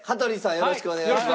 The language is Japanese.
よろしくお願いします。